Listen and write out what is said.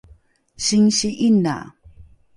singsi ’ina